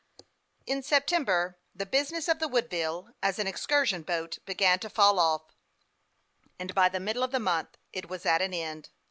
In September, the business of the Woodville, as an excursion boat, began to fall off, and by the middle of the month it was at an end.